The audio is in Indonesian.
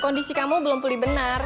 kondisi kamu belum pulih benar